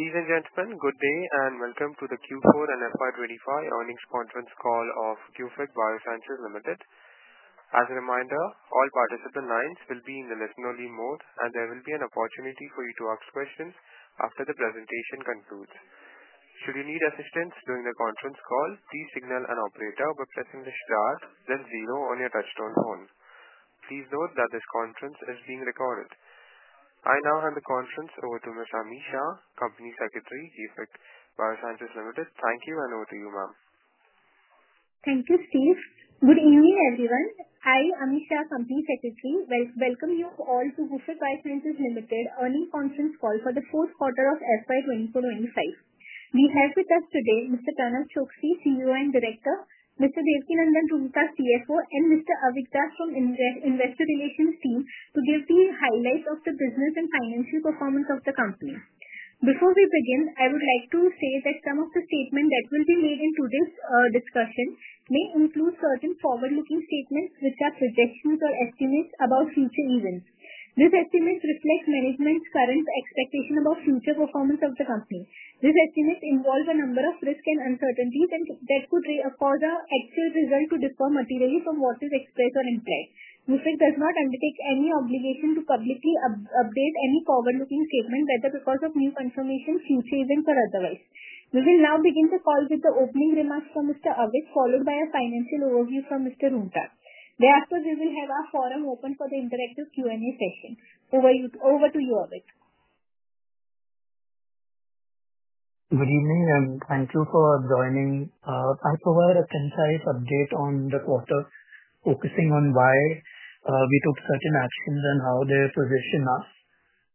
Ladies and gentlemen, good day and welcome to the Q4 and FY 2025 earnings conference call of Gufic Biosciences Limited. As a reminder, all participant lines will be in the listen-only mode, and there will be an opportunity for you to ask questions after the presentation concludes. Should you need assistance during the conference call, please signal an operator by pressing the star plus zero on your touch-tone phone. Please note that this conference is being recorded. I now hand the conference over to Ms. Ami Shah, Company Secretary, Gufic Biosciences Limited. Thank you, and over to you, ma'am. Thank you, Steve. Good evening, everyone. I am Ami Shah, Company Secretary, welcome you all to Gufic Biosciences Limited earnings conference call for the fourth quarter of FY 2024-2025. We have with us today Mr. Pranav Choksi, CEO and Director; Mr. Devkinandan Roonghta, CFO; and Mr. Avik Das from Investor Relations team to give the highlights of the business and financial performance of the company. Before we begin, I would like to say that some of the statements that will be made in today's discussion may include certain forward-looking statements which are projections or estimates about future events. These estimates reflect management's current expectations about future performance of the company. These estimates involve a number of risks and uncertainties that could cause actual results to differ materially from what is expressed or implied. Gufic does not undertake any obligation to publicly update any forward-looking statement, whether because of new information, future events, or otherwise. We will now begin the call with the opening remarks from Mr. Avik, followed by a financial overview from Mr. Roonghta. Thereafter, we will have our forum open for the interactive Q&A session. Over to you, Avik. Good evening, and thank you for joining. I'll provide a concise update on the quarter, focusing on why we took certain actions and how they position us.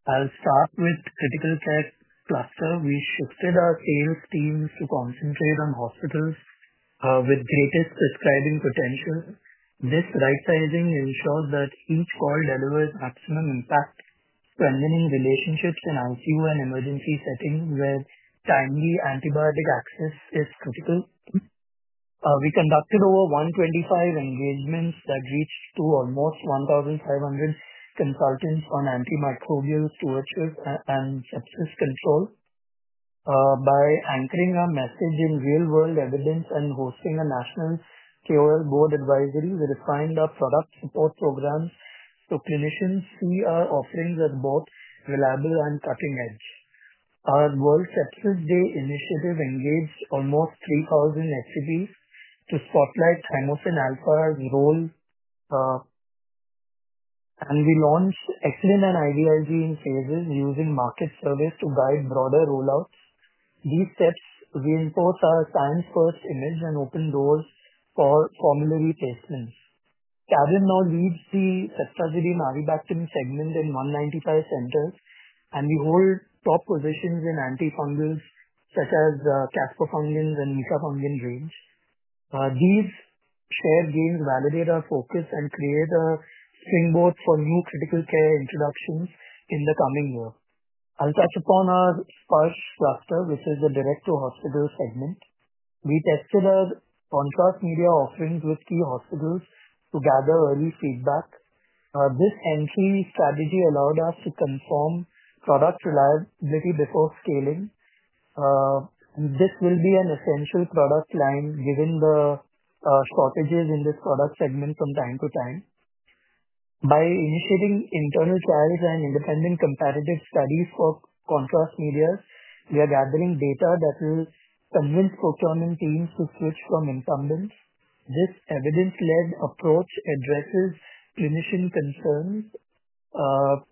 I'll start with critical care cluster. We shifted our sales teams to concentrate on hospitals with greatest prescribing potential. This right-sizing ensures that each call delivers maximum impact, strengthening relationships in ICU and emergency settings where timely antibiotic access is critical. We conducted over 125 engagements that reached almost 1,500 consultants on antimicrobial stewardship and sepsis control. By anchoring our message in real-world evidence and hosting a national KOL board advisory, we refined our product support programs so clinicians see our offerings as both reliable and cutting-edge. Our World Sepsis Day initiative engaged almost 3,000 SCBs to spotlight thymosin alpha's role, and we launched Eclin and IVIG in phases using market surveys to guide broader rollouts. These steps reinforce our science-first image and open doors for formulary placements. Kavin now leads the sep surgery and IV vacuum segment in 195 centers, and we hold top positions in antifungals such as the Caspofungin and Micafungin range. These shared gains validate our focus and create a springboard for new critical care introductions in the coming year. I'll touch upon our Sparsh cluster, which is the direct-to-hospital segment. We tested our contrast media offerings with key hospitals to gather early feedback. This entry strategy allowed us to confirm product reliability before scaling. This will be an essential product line given the shortages in this product segment from time to time. By initiating internal trials and independent comparative studies for contrast media, we are gathering data that will convince procurement teams to switch from incumbents. This evidence-led approach addresses clinician concerns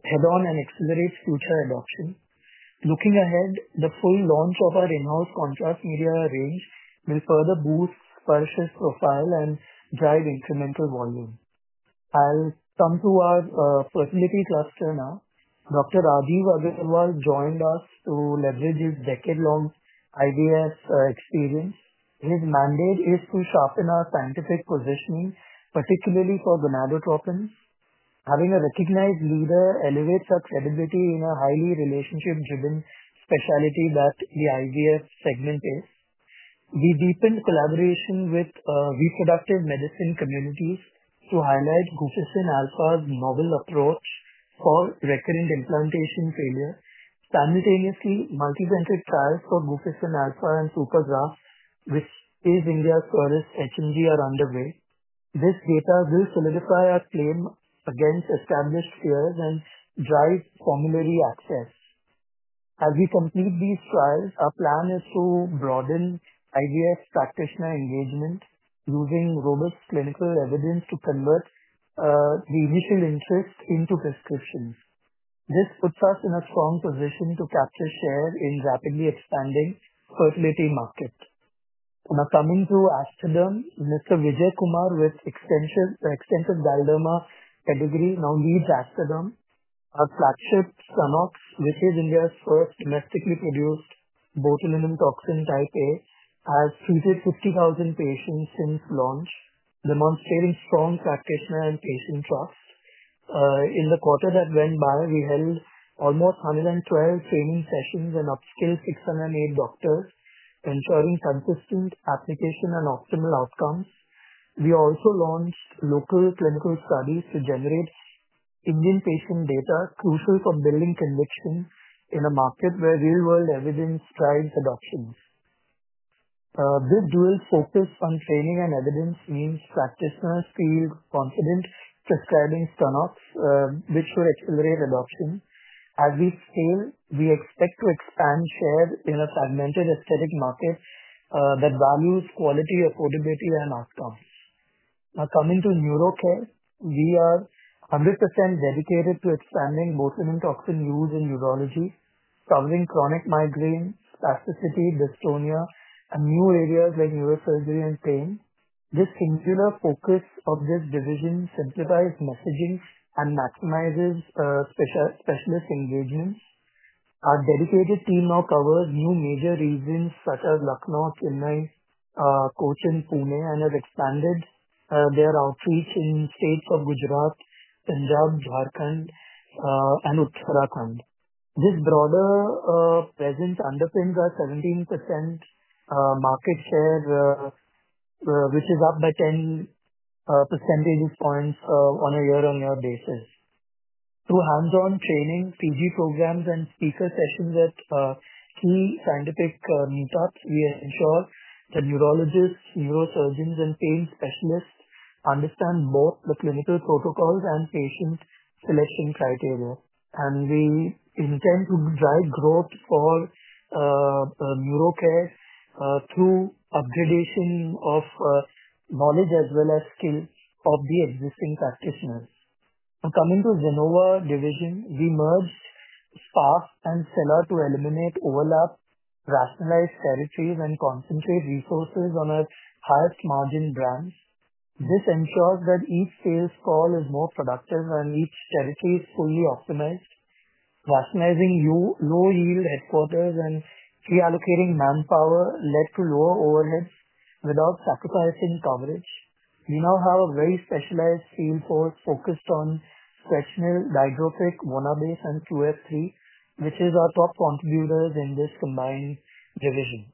head-on and accelerates future adoption. Looking ahead, the full launch of our in-house contrast media range will further boost Sparsh profile and drive incremental volume. I'll come to our fertility cluster now. Dr. Radhi Vaggaswal joined us to leverage his decade-long IVF experience. His mandate is to sharpen our scientific positioning, particularly for gonadotropins. Having a recognized leader elevates our credibility in a highly relationship-driven specialty that the IVF segment is. We deepened collaboration with reproductive medicine communities to highlight Guficin Alpha's novel approach for recurrent implantation failure. Simultaneously, multi-centric trials for Guficin Alpha and Supergraf, which is India's furthest HMG, are underway. This data will solidify our claim against established fears and drive formulary access. As we complete these trials, our plan is to broaden IVF practitioner engagement using robust clinical evidence to convert the initial interest into prescriptions. This puts us in a strong position to capture share in rapidly expanding fertility markets. Now coming to Aesthaderm, Mr. Vijay Kumar with extensive Galderma pedigree now leads Aesthaderm. Our flagship, Sonox, which is India's first domestically produced botulinum toxin type A, has treated 50,000 patients since launch, demonstrating strong practitioner and patient trust. In the quarter that went by, we held almost 112 training sessions and upskilled 608 doctors, ensuring consistent application and optimal outcomes. We also launched local clinical studies to generate Indian patient data, crucial for building conviction in a market where real-world evidence drives adoption. This dual focus on training and evidence means practitioners feel confident prescribing Sonox, which will accelerate adoption. As we scale, we expect to expand share in a fragmented aesthetic market that values quality, affordability, and outcomes. Now coming to neuro care, we are 100% dedicated to expanding botulinum toxin use in neurology, covering chronic migraine, spasticity, dystonia, and new areas like neurosurgery and pain. This singular focus of this division simplifies messaging and maximizes specialist engagements. Our dedicated team now covers new major regions such as Lucknow, Chennai, Cochin, Pune, and has expanded their outreach in states of Gujarat, Punjab, Jharkhand, and Uttarakhand. This broader presence underpins our 17% market share, which is up by 10 percentage points on a year-on-year basis. Through hands-on training, PG programs, and speaker sessions at key scientific meetups, we ensure that neurologists, neurosurgeons, and pain specialists understand both the clinical protocols and patient selection criteria. We intend to drive growth for neuro care through upgradation of knowledge as well as skill of the existing practitioners. Now coming to the Genova division, we merged Spark and Cella to eliminate overlap, rationalize territories, and concentrate resources on our highest margin brands. This ensures that each sales call is more productive and each territory is fully optimized. Rationalizing low-yield headquarters and reallocating manpower led to lower overheads without sacrificing coverage. We now have a very specialized field force focused on Dihydrophilic, Guanabase, and QF3, which are our top contributors in this combined division.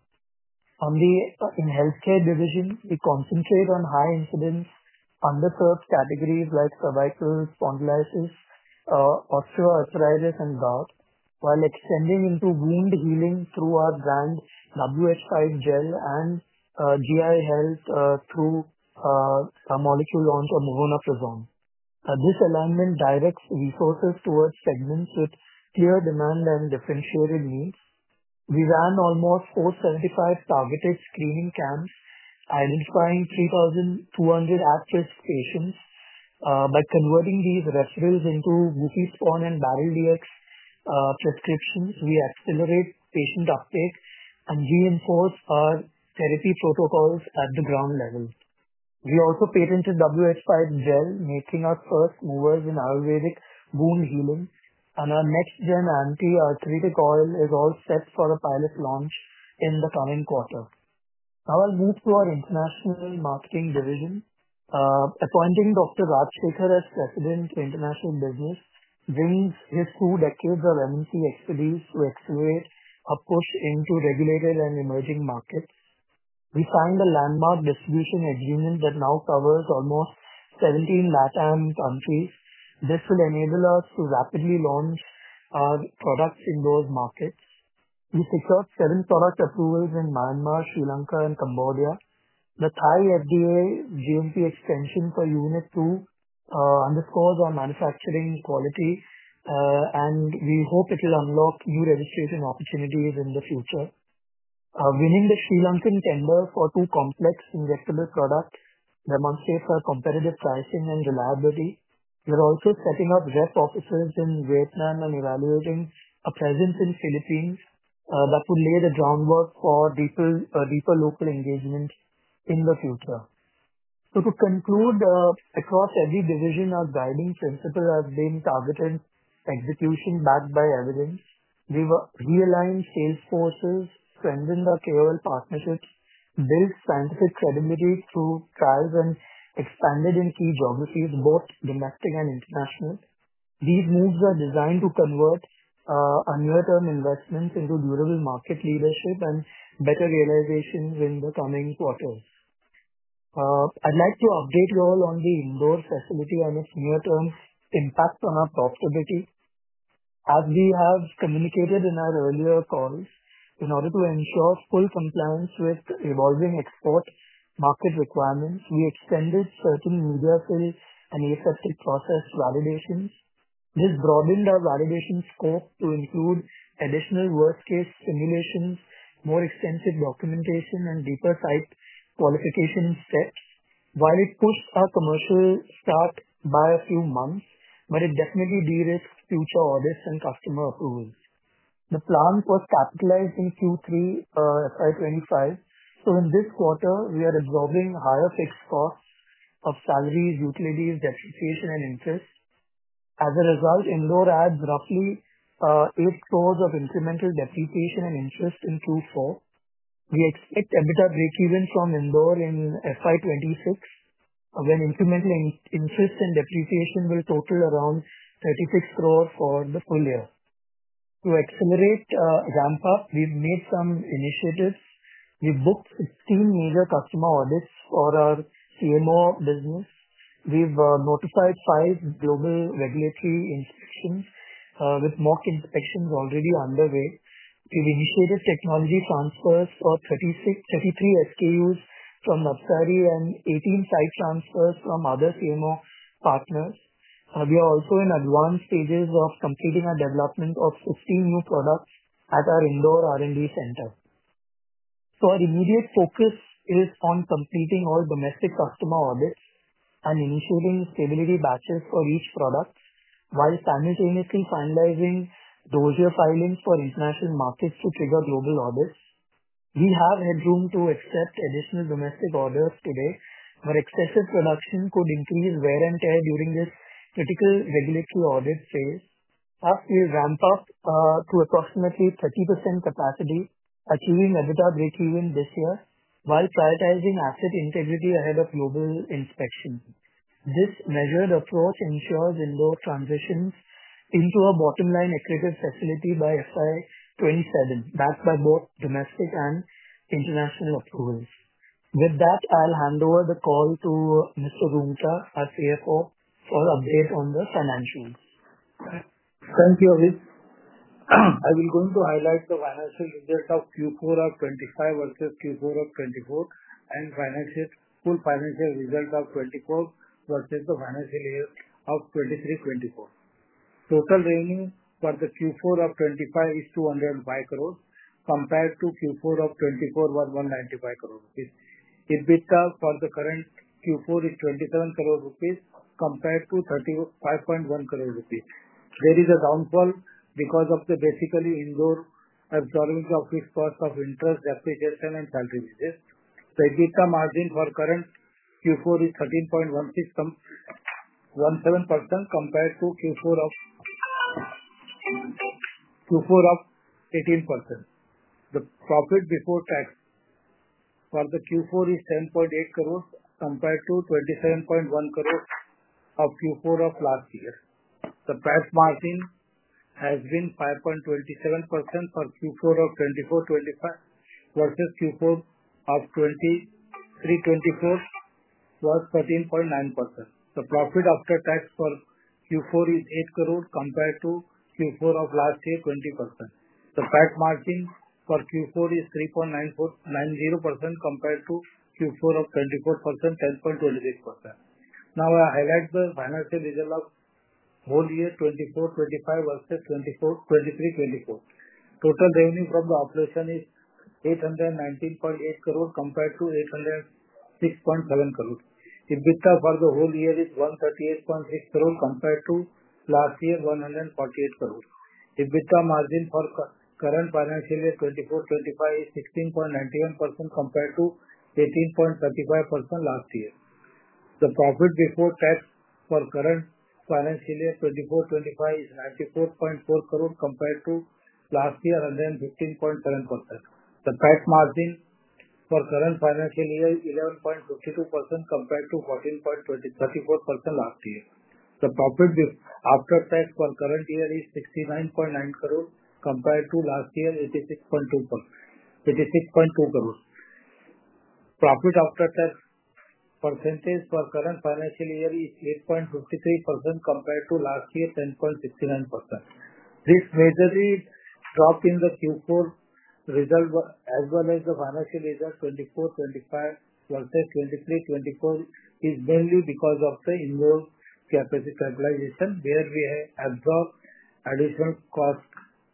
In healthcare division, we concentrate on high-incidence, under-served categories like cervical spondylosis, osteoarthritis, and gout, while extending into wound healing through our brand WH5 Gel and GI Health through our molecule launch of Movona Prazon. This alignment directs resources towards segments with clear demand and differentiated needs. We ran almost 475 targeted screening camps, identifying 3,200 at-risk patients. By converting these referrals into UPSPON and BarrelDx prescriptions, we accelerate patient uptake and reinforce our therapy protocols at the ground level. We also patented WH5 Gel, making our first movers in Ayurvedic wound healing, and our next-gen anti-arthritic oil is all set for a pilot launch in the coming quarter. Now I'll move to our international marketing division. Appointing Dr. Raj Shakhar as President of international business brings his two decades of MNC expertise to accelerate a push into regulated and emerging markets. We signed a landmark distribution agreement that now covers almost 17 LATAM countries. This will enable us to rapidly launch our products in those markets. We secured seven product approvals in Myanmar, Sri Lanka, and Cambodia. The Thai FDA GMP extension for Unit 2 underscores our manufacturing quality, and we hope it will unlock new registration opportunities in the future. Winning the Sri Lankan tender for two complex injectable products demonstrates our competitive pricing and reliability. We are also setting up rep offices in Vietnam and evaluating a presence in the Philippines that will lay the groundwork for deeper local engagement in the future. To conclude, across every division, our guiding principle has been targeted execution backed by evidence. We've realigned sales forces, strengthened our KOL partnerships, built scientific credibility through trials, and expanded in key geographies, both domestic and international. These moves are designed to convert our near-term investments into durable market leadership and better realizations in the coming quarters. I'd like to update you all on the Indore facility and its near-term impact on our profitability. As we have communicated in our earlier calls, in order to ensure full compliance with evolving export market requirements, we extended certain media-fill and aseptic process validations. This broadened our validation scope to include additional worst-case simulations, more extensive documentation, and deeper site qualification steps. While it pushed our commercial start by a few months, it definitely de-risked future audits and customer approvals. The plan was capitalized in Q3 2025. In this quarter, we are absorbing higher fixed costs of salaries, utilities, depreciation, and interest. As a result, Indore adds roughly 80 million of incremental depreciation and interest in Q4. We expect EBITDA break-even from Indore in FY 2026, when incremental interest and depreciation will total around 360 million for the full year. To accelerate ramp-up, we've made some initiatives. We've booked 16 major customer audits for our CMO business. We've notified five global regulatory inspections, with mock inspections already underway. We've initiated technology transfers for 33 SKUs from Navsari and 18 site transfers from other CMO partners. We are also in advanced stages of completing our development of 15 new products at our Indore R&D center. Our immediate focus is on completing all domestic customer audits and initiating stability batches for each product, while simultaneously finalizing dossier filings for international markets to trigger global audits. We have headroom to accept additional domestic orders today, where excessive production could increase wear and tear during this critical regulatory audit phase. Thus, we'll ramp up to approximately 30% capacity, achieving EBITDA break-even this year, while prioritizing asset integrity ahead of global inspection. This measured approach ensures Indore transitions into a bottom-line accredited facility by fiscal year 2027, backed by both domestic and international approvals. With that, I'll hand over the call to Mr. Roonghta, our CFO, for update on the financials. Thank you, Avik. I will going to highlight the financial result of Q4 of 2025 versus Q4 of 2024 and full financial result of 2024 versus the financial year of 2023-2024. Total revenue for the Q4 of 2025 is 205 crore, compared to Q4 of 2024 was 195 crore rupees. EBITDA for the current Q4 is 27 crore rupees, compared to 5.1 crore rupees. There is a downfall because of the basically Indore absorbing of fixed cost of interest, depreciation, and salary basis. The EBITDA margin for current Q4 is 13.16%, 17%, compared to Q4 of 18%. The profit before tax for the Q4 is 7.8 crore, compared to 27.1 crore of Q4 of last year. The PAT margin has been 5.27% for Q4 of 2024-2025 versus Q4 of 2023-2024 was 13.9%. The profit after tax for Q4 is 8 crore, compared to Q4 of last year, 20%. The PAT margin for Q4 is 3.90%, compared to Q4 of 2024, 10.26%. Now I highlight the financial result of whole year 2024-2025 versus 2023-2024. Total revenue from the operation is 819.8 crore, compared to 806.7 crore. EBITDA for the whole year is 138.6 crore, compared to last year, 148 crore. EBITDA margin for current financial year 2024-2025 is 16.91%, compared to 18.35% last year. The profit before tax for current financial year 2024-2025 is INR 94.4 crore, compared to last year, 115.7%. The PAT margin for current financial year is 11.52%, compared to 14.34% last year. The profit after tax for current year is 69.9 crore, compared to last year, 86.2 crore. Profit after tax percentage for current financial year is 8.53%, compared to last year, 10.69%. This major drop in the Q4 result as well as the financial result 2024-2025 versus 2023-2024 is mainly because of the annual capacity capitalization, where we have absorbed additional costs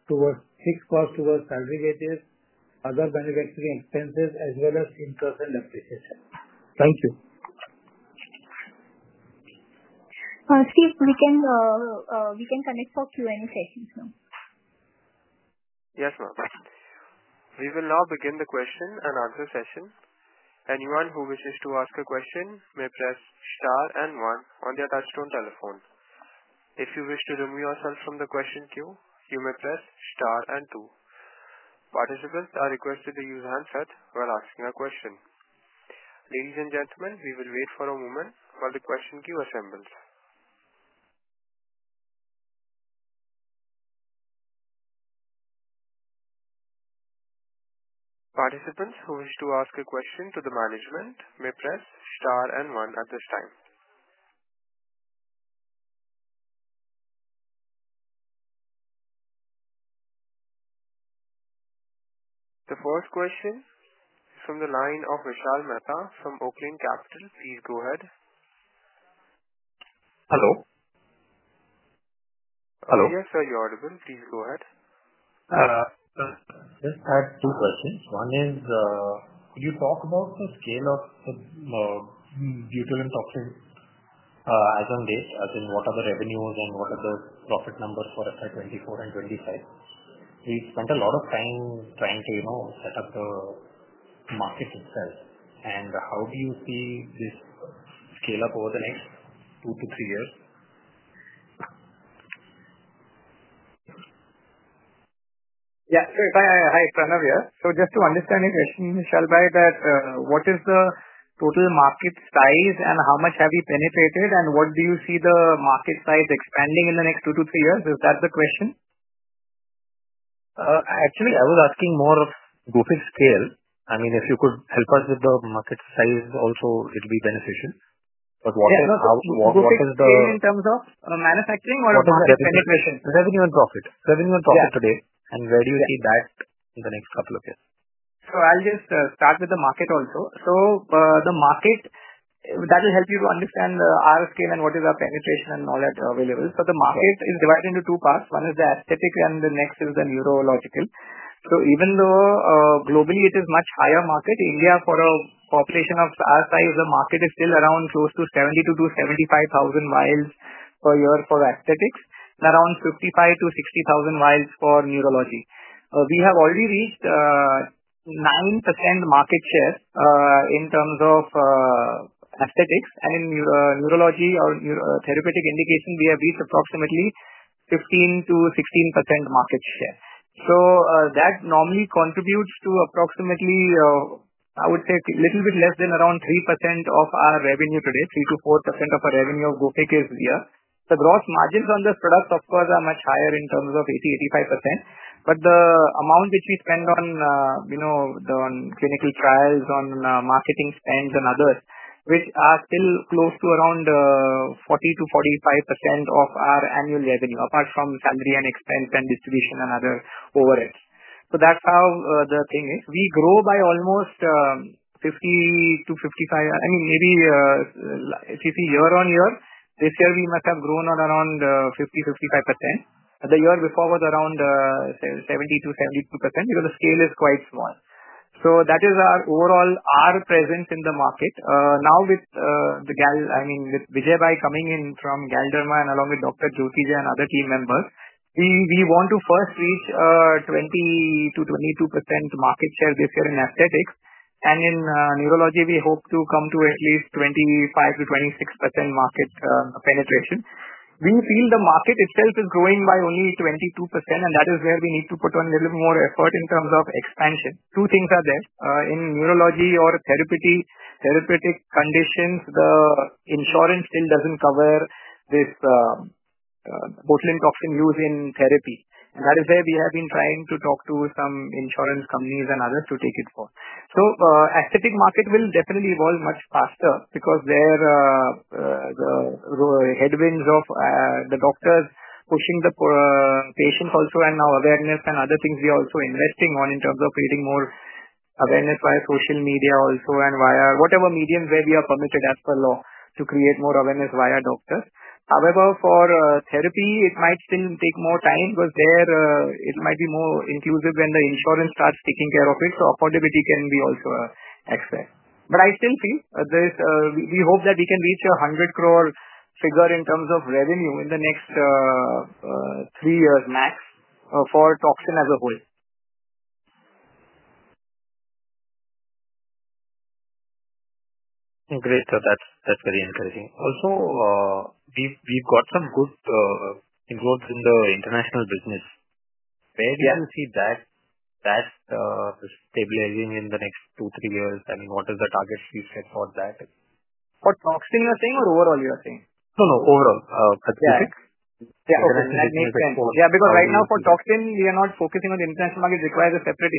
towards fixed costs towards salary basis, other manufacturing expenses, as well as interest and depreciation. Thank you. Steve, we can connect for Q&A sessions now. Yes, ma'am. We will now begin the question and answer session. Anyone who wishes to ask a question may press star and one on the touchstone telephone. If you wish to remove yourself from the question queue, you may press star and two. Participants are requested to use handset while asking a question. Ladies and gentlemen, we will wait for a moment while the question queue assembles. Participants who wish to ask a question to the management may press star and one at this time. The first question is from the line of Vishal Mehta from Oakland Capital. Please go ahead. Hello. Hello. Yes, sir, you're audible. Please go ahead. Just had two questions. One is, could you talk about the scale of the botulinum toxin as of late, as in what are the revenues and what are the profit numbers for FY 2024 and 2025? We spent a lot of time trying to set up the market itself. How do you see this scale up over the next two to three years? Yeah. If I have time for you. Just to understand your question, Vishal Mehta, what is the total market size and how much have you penetrated, and what do you see the market size expanding in the next two to three years? Is that the question? Actually, I was asking more of Gufic's scale. I mean, if you could help us with the market size also, it would be beneficial. What is the scale in terms of manufacturing or penetration? Revenue and profit. Revenue and profit today. Where do you see that in the next couple of years? I'll just start with the market also. The market, that will help you to understand our scale and what is our penetration and knowledge available. The market is divided into two parts. One is the aesthetic, and the next is the neurological. Even though globally it is a much higher market, India for a population of our size, the market is still around close to 70,000-75,000 vials per year for aesthetics, and around 55,000-60,000 vials for neurology. We have already reached 9% market share in terms of aesthetics, and in neurology or therapeutic indication, we have reached approximately 15%-16% market share. That normally contributes to approximately, I would say, a little bit less than around 3% of our revenue today. 3%-4% of our revenue of Gufic is here. The gross margins on the product, of course, are much higher in terms of 80%-85%. The amount which we spend on clinical trials, on marketing spends, and others, which are still close to around 40%-45% of our annual revenue, apart from salary and expense and distribution and other overhead. That's how the thing is. We grow by almost 50%-55%. I mean, maybe if you see year-on-year, this year we must have grown at around 50%-55%. The year before was around 70%-72% because the scale is quite small. That is our overall presence in the market. Now with Vijay Bhai coming in from Galderma and along with Dr. Jyoti and other team members, we want to first reach 20%-22% market share this year in aesthetics. In neurology, we hope to come to at least 25%-26% market penetration. We feel the market itself is growing by only 22%, and that is where we need to put on a little bit more effort in terms of expansion. Two things are there. In neurology or therapeutic conditions, the insurance still doesn't cover this botulinum toxin use in therapy. That is where we have been trying to talk to some insurance companies and others to take it forward. The aesthetic market will definitely evolve much faster because the headwinds of the doctors pushing the patients also and our awareness and other things we are also investing on in terms of creating more awareness via social media also and via whatever mediums where we are permitted as per law to create more awareness via doctors. However, for therapy, it might still take more time because there it might be more inclusive when the insurance starts taking care of it. Affordability can be also an aspect. But I still feel we hope that we can reach an 1 billion figure in terms of revenue in the next three years max for toxin as a whole. Great. That's very encouraging. Also, we've got some good growth in the international business. Where do you see that stabilizing in the next two, three years? I mean, what are the targets you set for that? For toxin, you're saying, or overall you're saying? No, no. Overall. Aesthetic? Yeah. That makes sense. Yeah. Because right now, for toxin, we are not focusing on the international market. It requires a separate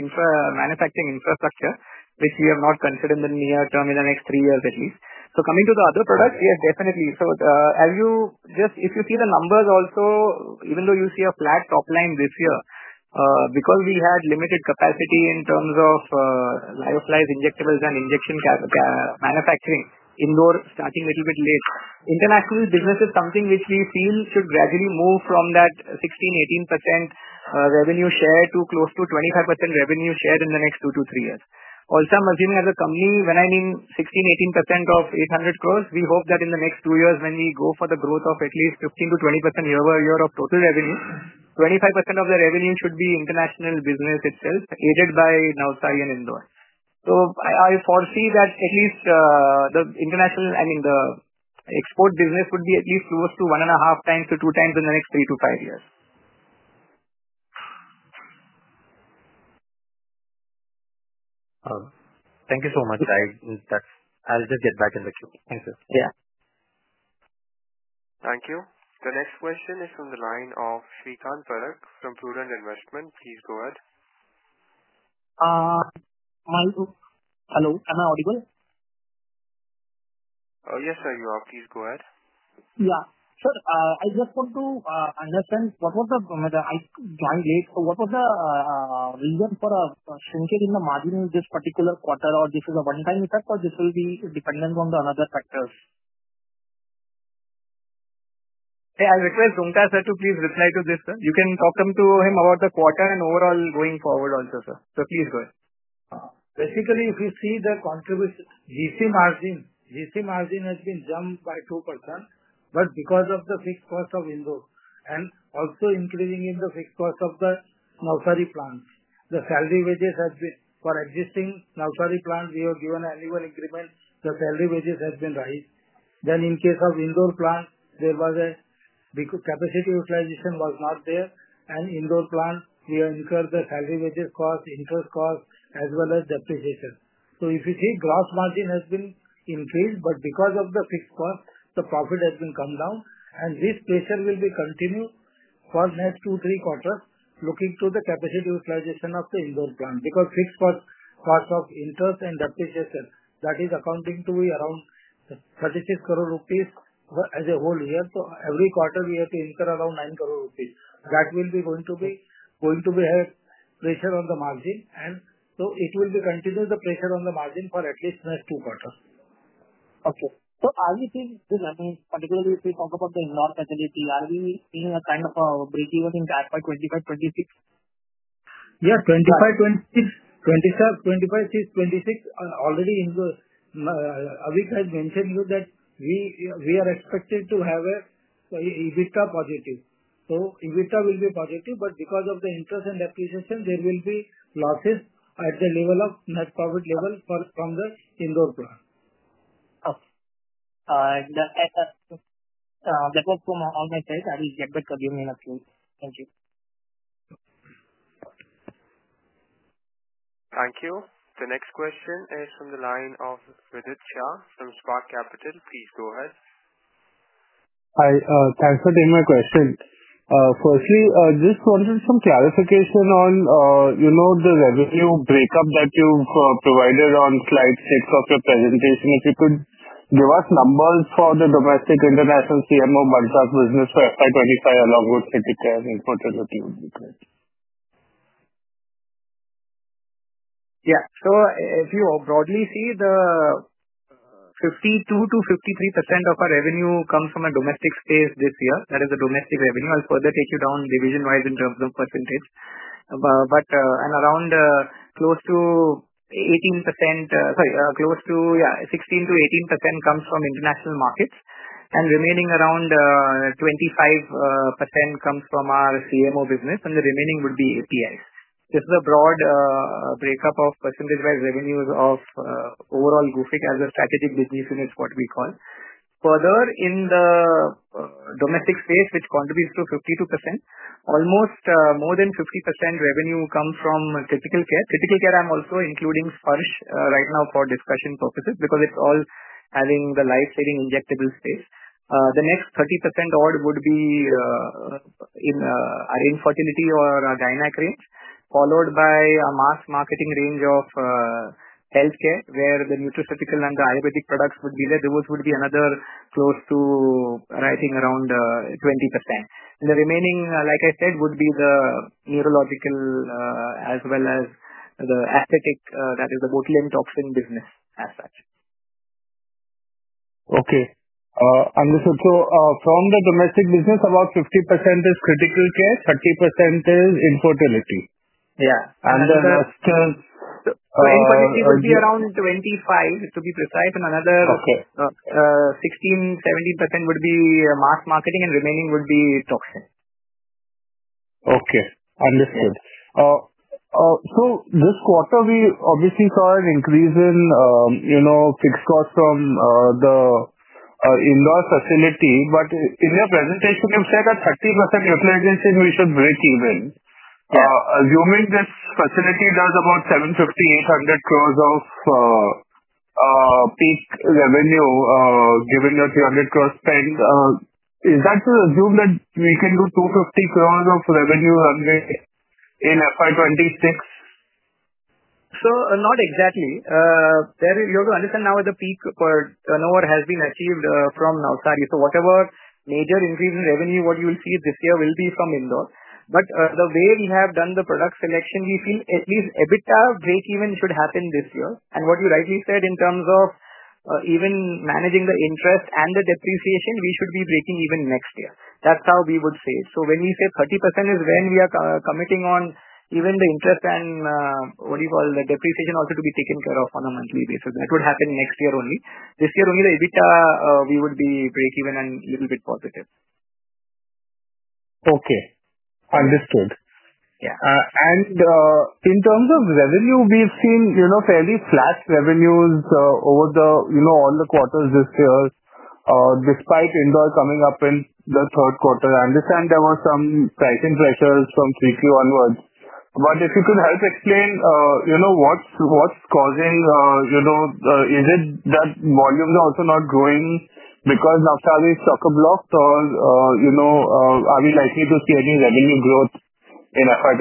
manufacturing infrastructure, which we have not considered in the near term in the next three years at least. Coming to the other products, yes, definitely. If you see the numbers also, even though you see a flat top line this year, because we had limited capacity in terms of lyophilized injectables and injection manufacturing Indore starting a little bit late, international business is something which we feel should gradually move from that 16%-18% revenue share to close to 25% revenue share in the next two to three years. Also, I'm assuming as a company, when I mean 16%-18% of 8 billion, we hope that in the next two years, when we go for the growth of at least 15%-20% year-over-year of total revenue, 25% of the revenue should be international business itself aided by Navsari and Indore. So I foresee that at least the international, I mean, the export business would be at least close to 1.5x to 2x in the next three to five years. Thank you so much. I'll just get back in the queue. Thank you. Yeah. Thank you. The next question is from the line of Srikanth Bharat from Prudent Investment. Please go ahead. My book. Hello. Am I audible? Yes, sir, you are. Please go ahead. Yeah. Sir, I just want to understand what was the, I joined late, so what was the reason for a shrinkage in the margin in this particular quarter, or this is a one-time effect, or this will be dependent on the other factors? Yeah. I request Roonghta Sir to please reply to this, sir. You can talk to him about the quarter and overall going forward also, sir. Please go ahead. Basically, if you see the contribution, GC margin has been jumped by 2%, but because of the fixed cost of Indore and also increasing in the fixed cost of the Navsari plants, the salary wages have been for existing Navsari plants, we were given annual increment. The salary wages have been raised. In case of Indore plants, there was a capacity utilization was not there. And Indore plants, we have incurred the salary wages cost, interest cost, as well as depreciation. If you see, gross margin has been increased, but because of the fixed cost, the profit has been come down. This pressure will be continued for the next two to three quarters, looking to the capacity utilization of the Indore plant because fixed cost, cost of interest and depreciation, that is accounting to be around 360 million rupees as a whole year. Every quarter, we have to incur around 90 million rupees. That is going to be a pressure on the margin, and it will continue the pressure on the margin for at least the next two quarters. Okay. Are we seeing, I mean, particularly if we talk about the Indore facility, are we seeing a kind of a breakeven in that by 2025-2026? Yeah. 2025-2026. 2025-2026, already Avik has mentioned to you that we are expected to have an EBITDA positive. EBITDA will be positive, but because of the interest and depreciation, there will be losses at the net profit level from the Indore plant. Okay. That was all my side. I will get back to you in a few. Thank you. Thank you. The next question is from the line of Vithit Shah from Spark Capital. Please go ahead. Hi. Thanks for taking my question. Firstly, I just wanted some clarification on the revenue breakup that you've provided on slide six of your presentation. If you could give us numbers for the domestic, international, CMO, Bharta's business for FY 2025 along with Sciatica and infertility, would be great. Yeah. If you broadly see, 52%-53% of our revenue comes from a domestic space this year. That is the domestic revenue. I'll further take you down division-wise in terms of percentage. Around close to 18%—sorry, close to, yeah, 16%-18% comes from international markets. The remaining around 25% comes from our CMO business. The remaining would be APIs. This is a broad breakup of percentage-wise revenues of overall Gufic as a strategic business unit, what we call. Further, in the domestic space, which contributes to 52%, almost more than 50% revenue comes from critical care. Critical care, I'm also including Sparsh right now for discussion purposes because it's all having the life-saving injectable space. The next 30% odd would be in infertility or a dynec range, followed by a mass marketing range of healthcare, where the nutraceutical and the ayurvedic products would be there. Those would be another close to, I think, around 20%. The remaining, like I said, would be the neurological as well as the aesthetic, that is the botulinum toxin business as such. Okay. Understood. From the domestic business, about 50% is critical care, 30% is infertility. Yeah. Infertility would be around 25% to be precise. Another 16%-17% would be mass marketing, and remaining would be toxin. Okay. Understood. This quarter, we obviously saw an increase in fixed cost from the Indore facility. In your presentation, you have said that at 30% utilization we should break even. Assuming this facility does about 750 crore-800 crore of peak revenue, given the 300 crore spent, is that to assume that we can do 250 crore of revenue runway in FY 2026? Not exactly. You have to understand now the peak per knower has been achieved from Navsari. Whatever major increase in revenue you will see this year will be from Indore. The way we have done the product selection, we feel at least EBITDA breakeven should happen this year. What you rightly said in terms of even managing the interest and the depreciation, we should be breaking even next year. That is how we would say it. When we say 30%, it is when we are committing on even the interest and the depreciation also to be taken care of on a monthly basis. That would happen next year only. This year, only the EBITDA we would be breakeven and a little bit positive. Okay. Understood. In terms of revenue, we've seen fairly flat revenues over all the quarters this year, despite Indore coming up in the third quarter. I understand there were some pricing pressures from 3Q onwards. If you could help explain what's causing, is it that volumes are also not growing because Navsari is chockablocked, or are we likely to see any revenue growth in FY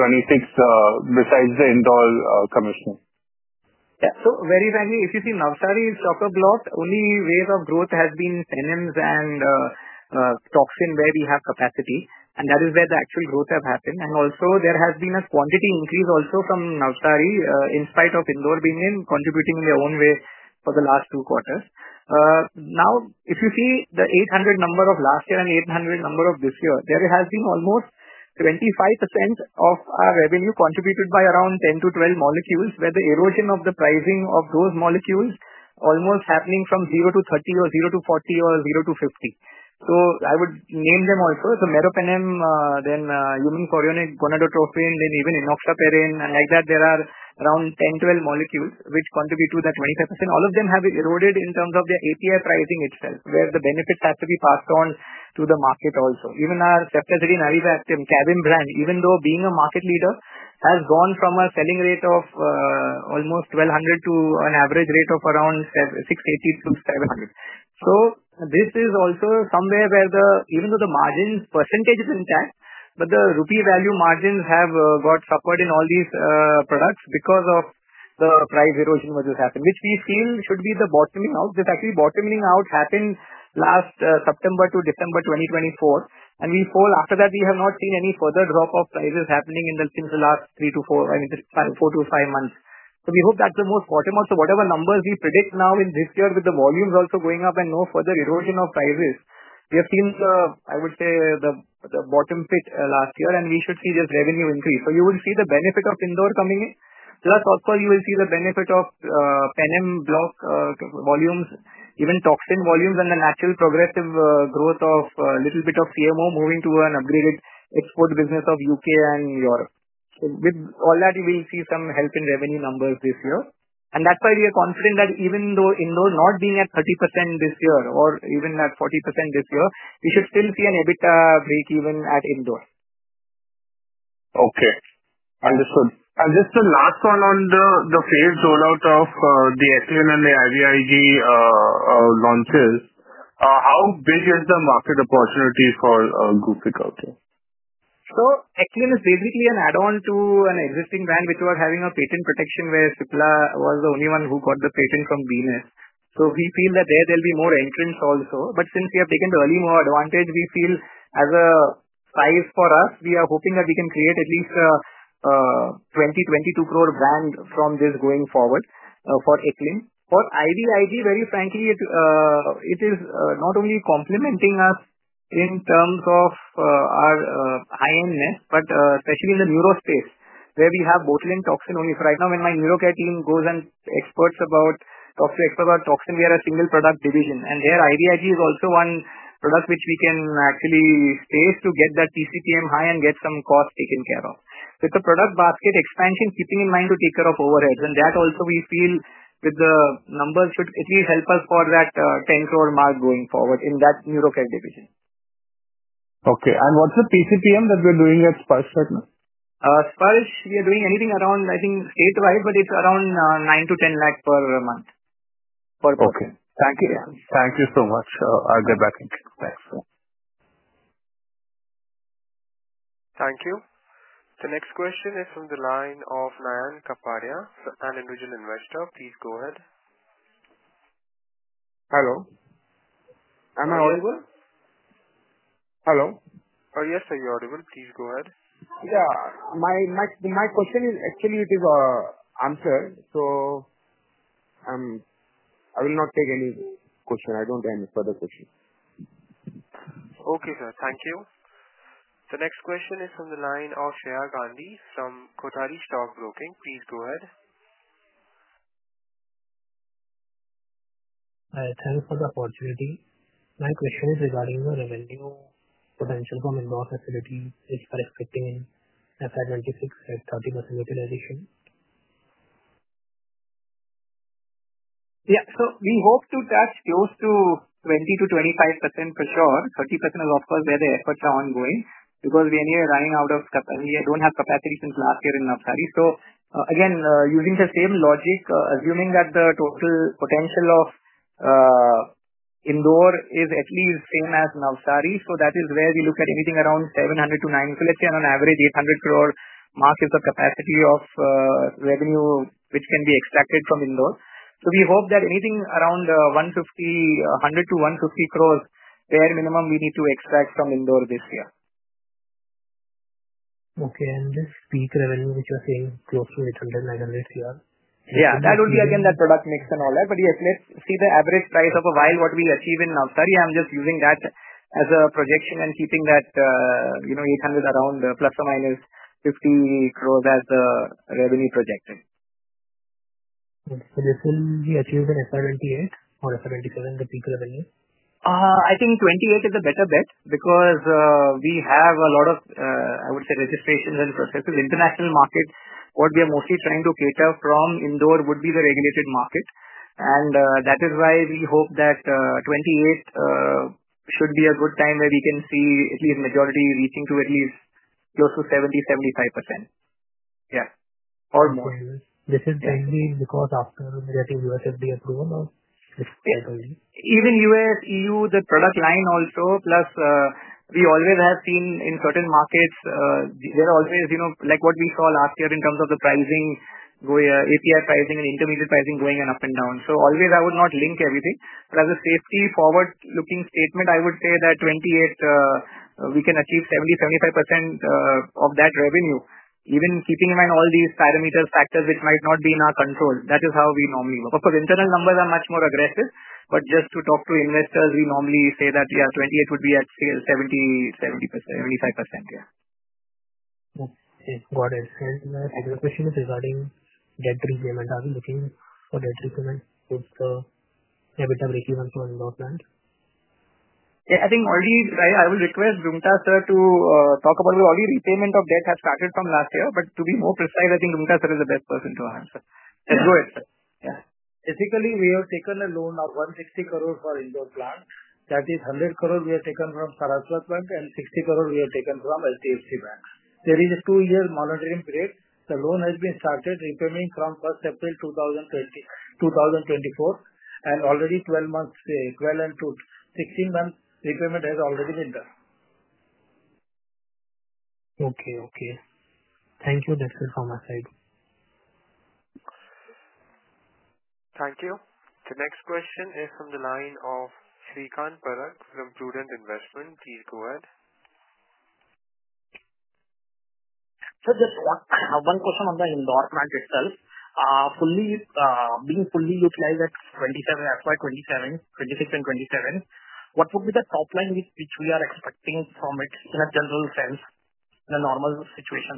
2026 besides the Indore commission? Yeah. Very frankly, if you see, Navsari is chockablocked. Only wave of growth has been tenants and toxin where we have capacity. That is where the actual growth has happened. There has been a quantity increase also from Navsari in spite of Indore being contributing in their own way for the last two quarters. If you see the 800 number of last year and 800 number of this year, there has been almost 25% of our revenue contributed by around 10-12 molecules, where the erosion of the pricing of those molecules is almost happening from 0-30 or 0-40 or 0-50. I would name them also: meropenem, then human chorionic gonadotropin, then even enoxaparin, and like that, there are around 10-12 molecules which contribute to that 25%. All of them have eroded in terms of the API pricing itself, where the benefits have to be passed on to the market also. Even our Ceftazidime Avivactim, Kavin brand, even though being a market leader, has gone from a selling rate of almost 1,200 to an average rate of around 680-700. This is also somewhere where even though the margin percentage is intact, the rupee value margins have got suffered in all these products because of the price erosion which has happened, which we feel should be the bottoming out. This actually bottoming out happened last September to December 2024. We fall after that, we have not seen any further drop of prices happening in the last three to four, I mean, four to five months. We hope that's the most bottom out. Whatever numbers we predict now in this year with the volumes also going up and no further erosion of prices, we have seen the, I would say, the bottom fit last year, and we should see this revenue increase. You will see the benefit of Indore coming in. Plus, of course, you will see the benefit of penem block volumes, even toxin volumes, and the natural progressive growth of a little bit of CMO moving to an upgraded export business of U.K. and Europe. With all that, you will see some help in revenue numbers this year. That is why we are confident that even though Indore not being at 30% this year or even at 40% this year, we should still see an EBITDA breakeven at Indore. Okay. Understood. Just the last one on the phase rollout of the Eclin and the IVIG launches, how big is the market opportunity for Gufic out there? Eclin is basically an add-on to an existing brand, which was having a patent protection where Supla was the only one who got the patent from BNS. We feel that there will be more entrants also. Since we have taken the early mover advantage, we feel as a size for us, we are hoping that we can create at least an 20-22 crore brand from this going forward for Eclin. For IVIG, very frankly, it is not only complementing us in terms of our high-endness, but especially in the neuro space, where we have botulinum toxin only. Right now, when my neuro care team goes and talks to experts about toxin, we are a single product division. Their IVIG is also one product which we can actually space to get that TCPM high and get some cost taken care of. With the product basket expansion, keeping in mind to take care of overheads. That also, we feel with the numbers, should at least help us for that 10 crore mark going forward in that neuro care division. Okay. What's the TCPM that we're doing at Sparsh right now? Sparsh, we are doing anything around, I think, statewide, but it's around 900,000-1,000,000 per month. Per month. Okay. Thank you. Thank you so much. I'll get back in. Thanks. Thank you. The next question is from the line of Nayan Kapadia, an individual investor. Please go ahead. Hello. Am I audible? Hello. Yes, sir, you're audible. Please go ahead. Yeah. My question is actually it is answered. So I will not take any question. I don't have any further questions. Okay, sir. Thank you. The next question is from the line of Sneha Gandhi from Kothari Stock Broking. Please go ahead. Hi. Thanks for the opportunity. My question is regarding the revenue potential from Indore facilities which are expecting FY 2026 at 30% utilization. Yeah. So we hope to touch close to 20%-25% for sure. 30% is, of course, where the efforts are ongoing because we are running out of capacity. We don't have capacity since last year in Navsari. Again, using the same logic, assuming that the total potential of Indore is at least same as Navsari. That is where we look at anything around 700 crore-900 crore. Let's say on an average 800 crore mark is the capacity of revenue which can be extracted from Indore. We hope that anything around 100 crore-150 crore, bare minimum, we need to extract from Indore this year. Okay. And the peak revenue which you are saying, close to 800 crore-900 crore? Yeah. That will be, again, that product mix and all that. Yes, let's see the average price of a vial, what we achieve in Navsari. I'm just using that as a projection and keeping that 800 crore, around plus or minus 50 crore, as the revenue projected. This will be achieved in 2028 or 2027, the peak revenue? I think 2028 is a better bet because we have a lot of, I would say, registrations and processes. International market, what we are mostly trying to cater from Indore would be the regulated market. That is why we hope that 2028 should be a good time where we can see at least majority reaching to at least close to 70%-75%. Yeah. Or more. This is mainly because after the USFDA approval of FY 2028? Even U.S., EU, the product line also, plus we always have seen in certain markets, there are always like what we saw last year in terms of the pricing, API pricing, and intermediate pricing going up and down. I would not link everything. As a safety forward-looking statement, I would say that 2028, we can achieve 70%-75% of that revenue, even keeping in mind all these parameters, factors which might not be in our control. That is how we normally work. Of course, internal numbers are much more aggressive. Just to talk to investors, we normally say that, yeah, 2028 would be at scale, 70%-75%. Yeah. Got it. My second question is regarding debt repayment. Are we looking for debt repayment with the EBITDA breakeven for Indore plant? Yeah. I think already I will request Roonghta Sir to talk about because already repayment of debt has started from last year. To be more precise, I think Roonghta Sir is the best person to answer. Let's go ahead. Yeah. Basically, we have taken a loan of 160 crore for Indore plant. That is 100 crore we have taken from Saraswat Bank and 60 crore we have taken from L&T Finance. There is a two-year monitoring period. The loan has started repayment from 1st April 2024. Already 12 months, 12 and 16 months repayment has already been done. Okay. Okay. Thank you. That's it from my side. Thank you. The next question is from the line of Shriikant Parakh from Prudent Investment. Please go ahead. Just one question on the Indore plant itself. Being fully utilized at FY 2027, 2026 and 2027, what would be the top line which we are expecting from it in a general sense, in a normal situation?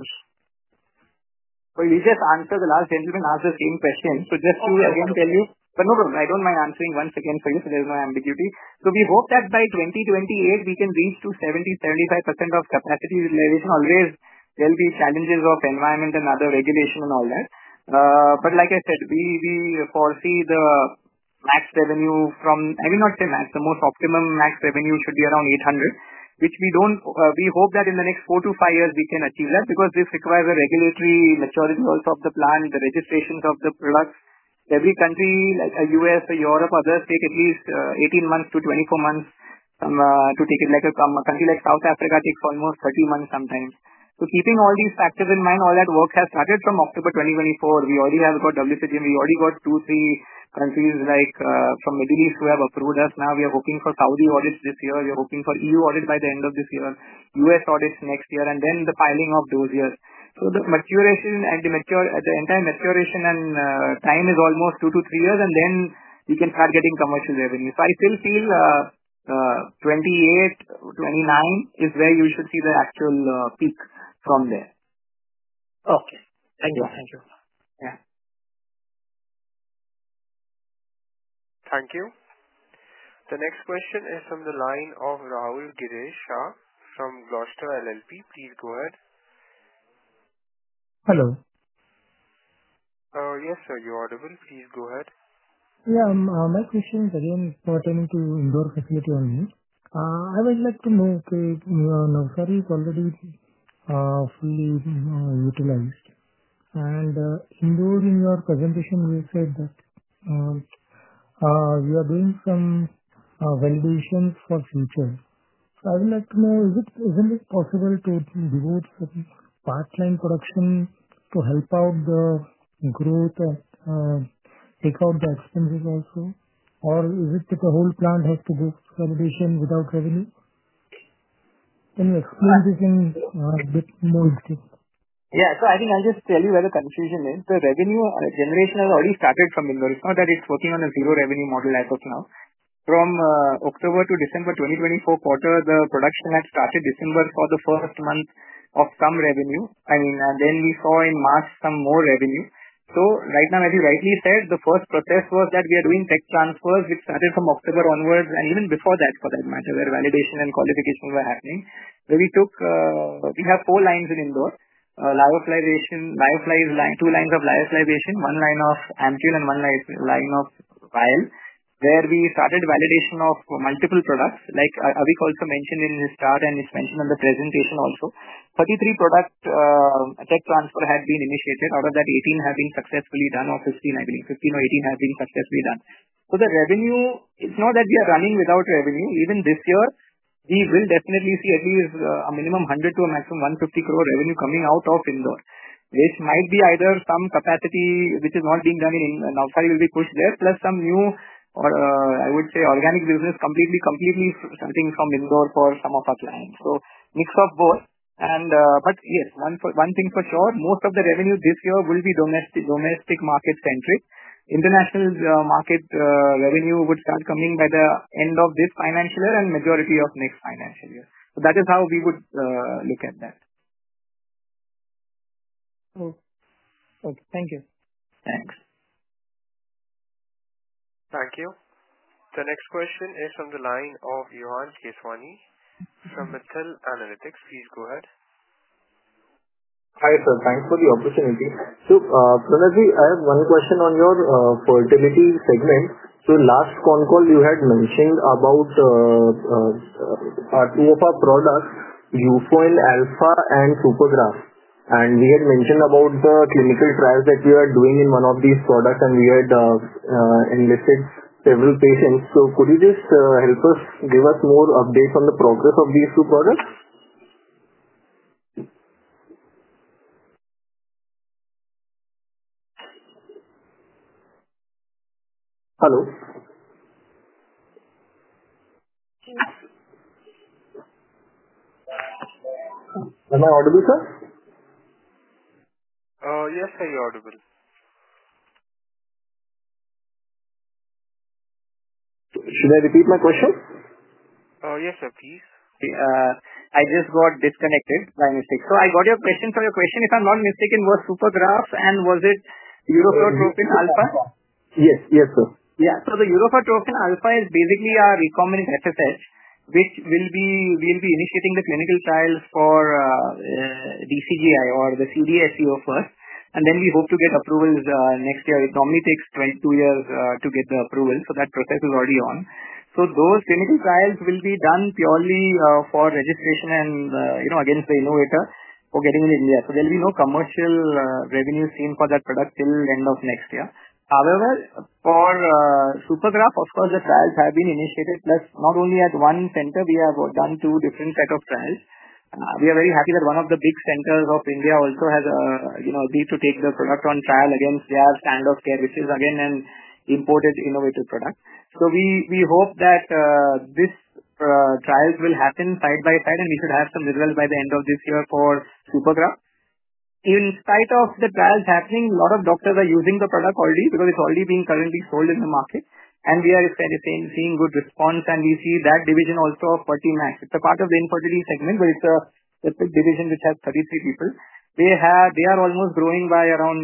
You just answered, the last gentleman asked the same question. Just to again tell you, but no problem. I don't mind answering once again for you so there's no ambiguity. We hope that by 2028, we can reach to 70%-75% of capacity utilization. Always there will be challenges of environment and other regulation and all that. Like I said, we foresee the max revenue from, I will not say max, the most optimum max revenue should be around 800 crore, which we hope that in the next four to five years, we can achieve that because this requires a regulatory maturity also of the plant, the registrations of the products. Every country like the U.S., Europe, others take at least 18-24 months to take it. A country like South Africa takes almost 30 months sometimes. Keeping all these factors in mind, all that work has started from October 2024. We already have got WHO-GMP. We already got two, three countries like from Middle East who have approved us. Now we are hoping for Saudi audits this year. We are hoping for EU audit by the end of this year, U.S. audits next year, and then the filing of dossiers. The maturation and the entire maturation time is almost two to three years, and then we can start getting commercial revenue. I still feel 2028, 2029 is where you should see the actual peak from there. Thank you. The next question is from the line of Rahul Giresh Shah from Gloucester LLP. Please go ahead. Hello. Yes, sir, you're audible. Please go ahead. Yeah. My question is again pertaining to Indore facility only. I would like to know, okay, Navsari is already fully utilized. And in your presentation, you said that you are doing some validation for future. I would like to know, isn't it possible to devote some pipeline production to help out the growth and take out the expenses also? Or is it that the whole plant has to go for validation without revenue? Can you explain this in a bit more detail? Yeah. I think I'll just tell you where the confusion is. The revenue generation has already started from Indore. It's not that it's working on a zero revenue model as of now. From October to December 2024 quarter, the production had started. December was the first month of some revenue, I mean, and then we saw in March some more revenue. Right now, as you rightly said, the first process was that we are doing tech transfers, which started from October onwards. Even before that, for that matter, validation and qualification were happening, where we took—we have four lines in Indore: lyophilization, two lines of lyophilization, one line of ampoule, and one line of vial, where we started validation of multiple products. Like Avik also mentioned in his chart and his mention on the presentation also, 33 product tech transfer had been initiated. Out of that, 18 have been successfully done, or 15, I believe, 15 or 18 have been successfully done. The revenue, it's not that we are running without revenue. Even this year, we will definitely see at least a minimum 100 crore to a maximum 150 crore revenue coming out of Indore, which might be either some capacity which is not being done in Navsari will be pushed there, plus some new, I would say, organic business completely, completely something from Indore for some of our clients. A mix of both. Yes, one thing for sure, most of the revenue this year will be domestic market-centric. International market revenue would start coming by the end of this financial year and majority of next financial year. So that is how we would look at that. Okay. Okay. Thank you. Thanks. Thank you. The next question is from the line of Yohan Keswani from Mithil Analytics. Please go ahead. Hi sir. Thanks for the opportunity. So Pranavji, I have one question on your fertility segment. Last phone call, you had mentioned about two of our products, Guficin Alpha and Supergraf. And we had mentioned about the clinical trials that we are doing in one of these products, and we had enlisted several patients. Could you just help us, give us more updates on the progress of these two products? Hello? Am I audible, sir? Yes, sir, you're audible. Should I repeat my question? Yes, sir, please. I just got disconnected. My mistake. I got your question. Your question, if I'm not mistaken, was Supergraf and was it Guficin Alpha? Yes. Yes, sir. Yeah. The Eupotrophin Alpha is basically a recombinant FSH, which we will be initiating the clinical trials for DCGI or the CDSCO first. We hope to get approvals next year. It normally takes two years to get the approval. That process is already on. Those clinical trials will be done purely for registration and against the innovator for getting in India. There will be no commercial revenue seen for that product till end of next year. However, for Supergraf, of course, the trials have been initiated, plus not only at one center, we have done two different sets of trials. We are very happy that one of the big centers of India also has agreed to take the product on trial against their standard of care, which is again an imported innovative product. We hope that these trials will happen side by side, and we should have some results by the end of this year for Supergraf. In spite of the trials happening, a lot of doctors are using the product already because it is already being currently sold in the market. We are seeing good response, and we see that division also of 40 max. It is a part of the infertility segment, but it is a separate division which has 33 people. They are almost growing by around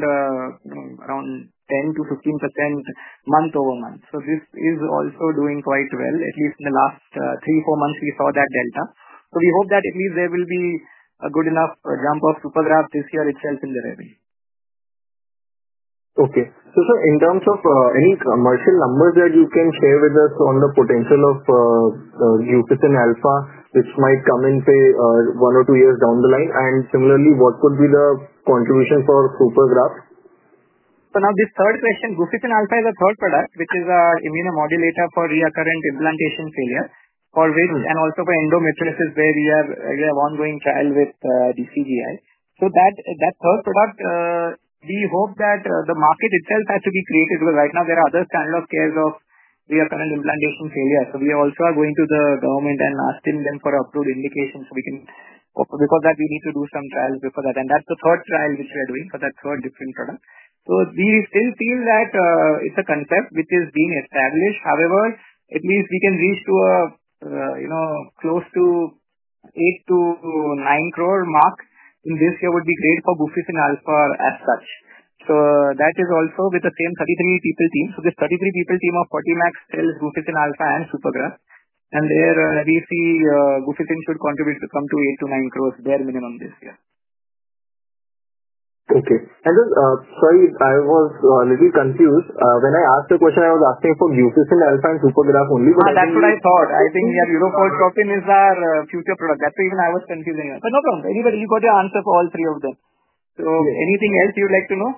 10-15% month over month. This is also doing quite well. At least in the last three or four months, we saw that delta. We hope that at least there will be a good enough jump of Supergraf this year itself in the revenue. Okay. Sir, in terms of any commercial numbers that you can share with us on the potential of Eupotin Alpha, which might come in one or two years down the line, and similarly, what would be the contribution for Supergraf? Now this third question, Eupotin Alpha is a third product, which is an immunomodulator for recurrent implantation failure, for which, and also for endometriosis, where we have ongoing trial with DCGI. That third product, we hope that the market itself has to be created because right now there are other standards of care of recurrent implantation failure. We also are going to the government and asking them for approved indications so we can, because we need to do some trials before that. That is the third trial which we are doing for that third different product. We still feel that it's a concept which is being established. However, at least if we can reach close to 80 million-90 million mark in this year, it would be great for Eupotin Alpha as such. That is also with the same 33 people team. This 33 people team of 40 max sells Eupotin Alpha and Supergraf. There we see Eupotin should contribute to come to 80 million-90 million bare minimum this year. Okay. Sir, sorry, I was a little confused. When I asked the question, I was asking for Eupotin Alpha and Supergraf only, but I think that's what I thought. I think Eupotropin is our future product. That's why even I was confusing. No problem. Anyway, you got your answer for all three of them. Anything else you'd like to know?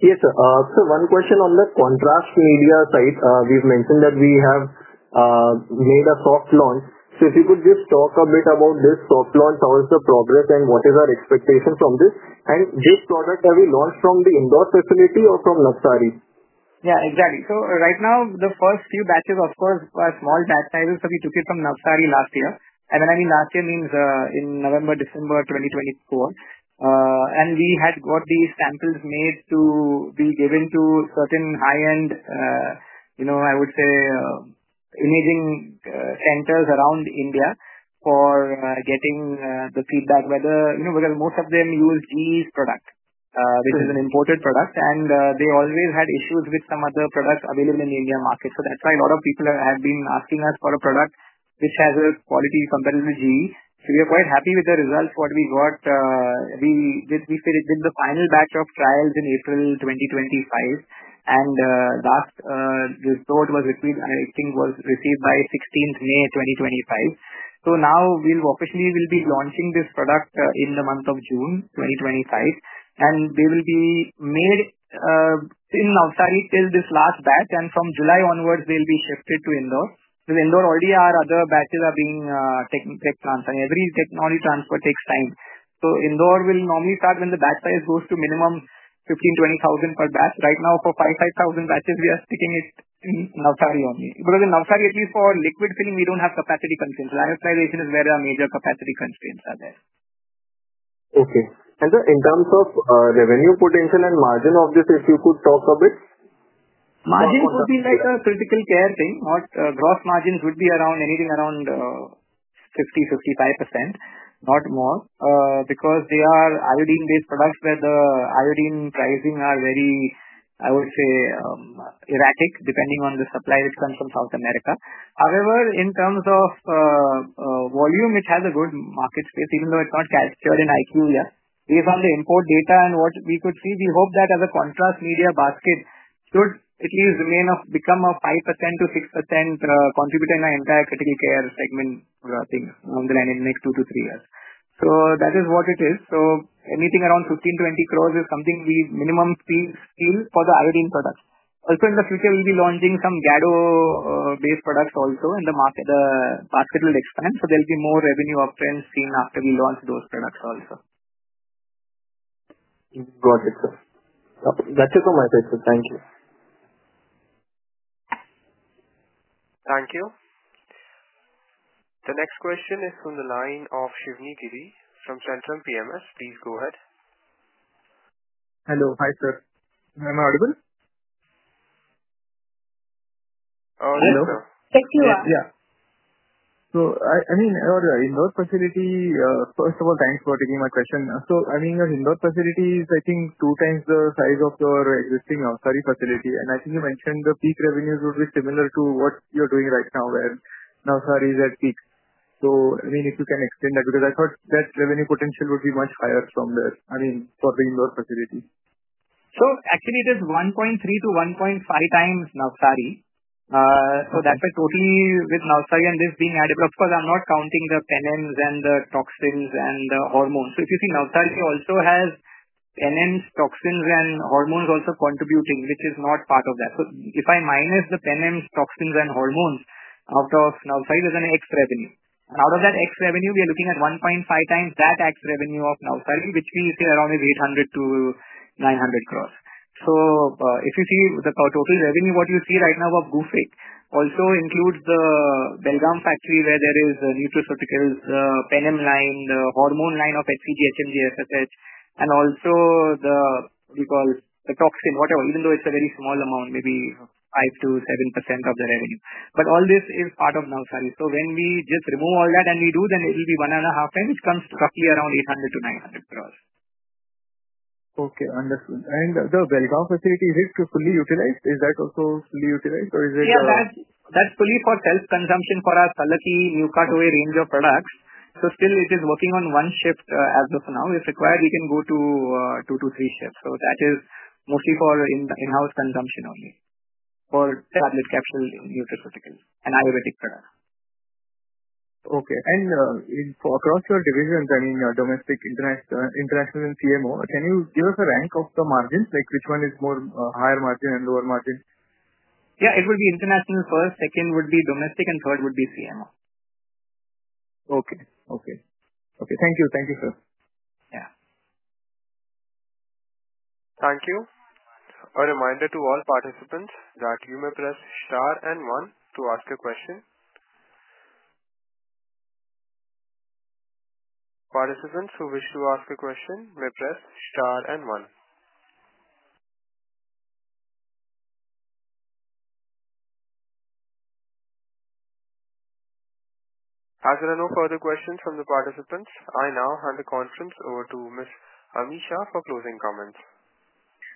Yes, sir. One question on the contrast media side. We've mentioned that we have made a soft launch. If you could just talk a bit about this soft launch, how is the progress, and what is our expectation from this? This product, have we launched from the Indore facility or from Navsari? Yeah, exactly. Right now, the first few batches, of course, were small batch sizes. We took it from Navsari last year. When I mean last year, I mean in November, December 2024. We had got these samples made to be given to certain high-end, I would say, imaging centers around India for getting the feedback, because most of them use GE's product, which is an imported product. They always had issues with some other products available in the Indian market. That's why a lot of people have been asking us for a product which has a quality compared to GE. We are quite happy with the results we got. We did the final batch of trials in April 2025. The last report, I think, was received by 16th May 2025. Now we'll officially be launching this product in the month of June 2025. They will be made in Navsari till this last batch. From July onwards, they'll be shifted to Indore. Indore already has our other batches being tech plans, and every technology transfer takes time. Indore will normally start when the batch size goes to minimum 15,000-20,000 per batch. Right now, for 5,000-5,000 batches, we are sticking it in Navsari only. In Navsari, at least for liquid filling, we don't have capacity constraints. Lyophilization is where our major capacity constraints are there. Okay. Sir, in terms of revenue potential and margin of this, if you could talk a bit? Margin would be like a critical care thing. Gross margins would be around anything around 50%-55%, not more. Because they are iodine-based products where the iodine pricing are very, I would say, erratic depending on the supply which comes from South America. However, in terms of volume, it has a good market space, even though it's not captured in IQ yet. Based on the import data and what we could see, we hope that as a contrast media basket should at least become a 5%-6% contributor in our entire critical care segment thing around the land in the next two to three years. That is what it is. So anything around 15-20 crore is something we minimum feel for the iodine products. Also in the future, we'll be launching some Gado-based products also and the basket will expand. So there'll be more revenue uptrends seen after we launch those products also. Got it, sir. That's it from my side, sir. Thank you. Thank you. The next question is from the line of Shivani Giri from Centrum PMS. Please go ahead. Hello. Hi, sir. Am I audible? Hello? Yes, you are. Yeah. I mean, in your facility, first of all, thanks for taking my question. I mean, your Indore facility is, I think, 2x the size of your existing Navsari facility. And I think you mentioned the peak revenues would be similar to what you're doing right now where Navsari is at peak. I mean, if you can extend that, because I thought that revenue potential would be much higher from there, I mean, for the Indore facility. Actually, it is 1.3x-1.5x Navsari. That is totally with Navsari and this being added. Of course, I'm not counting the Penems and the toxins and the hormones. If you see, Navsari also has Penems, toxins, and hormones also contributing, which is not part of that. If I minus the Penems, toxins, and hormones out of Navsari, there's an X revenue. Out of that X revenue, we are looking at 1.5x that X revenue of Navsari, which we say is around 800-900 crore. If you see the total revenue, what you see right now of Gufic also includes the Belgaum facility where there is nutraceuticals, the PENEM line, the hormone line of HCG, HMG, FSH, and also the, what do you call, the toxin, whatever, even though it's a very small amount, maybe 5%-7% of the revenue. All this is part of Navsari. When we just remove all that and we do, then it will be one and a half time, which comes roughly around 800-900 crore. Okay. Understood. The Belgaum facility, is it fully utilized? Is that also fully utilized or is it? Yeah, that's fully for self-consumption for our Salaki Newcatoy range of products. Still, it is working on one shift as of now. If required, we can go to two to three shifts. That is mostly for in-house consumption only for tablet, capsule, neutrophil, and ayurvedic products. Okay. Across your divisions, I mean, domestic, international, and CMO, can you give us a rank of the margins? Like which one is higher margin and lower margin? Yeah, it will be international first, second would be domestic, and third would be CMO. Okay. Okay. Okay. Thank you. Thank you, sir. Yeah. Thank you. A reminder to all participants that you may press star and one to ask a question. Participants who wish to ask a question may press star and one. As there are no further questions from the participants, I now hand the conference over to Ms. Ami Shah for closing comments.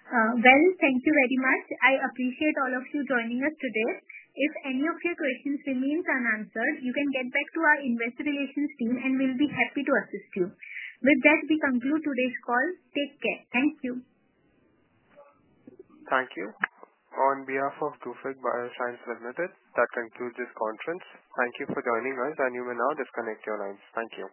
Thank you very much. I appreciate all of you joining us today. If any of your questions remains unanswered, you can get back to our investor relations team, and we'll be happy to assist you. With that, we conclude today's call. Take care. Thank you. On behalf of Gufic Biosciences Limited, that concludes this conference. Thank you for joining us, and you may now disconnect your lines. Thank you.